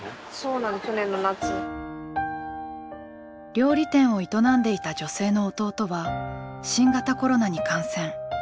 料理店を営んでいた女性の弟は新型コロナに感染。